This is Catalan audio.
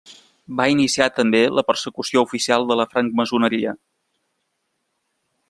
Va iniciar també la persecució oficial de la francmaçoneria.